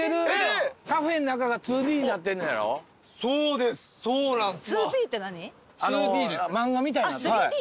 そうですそうなんです。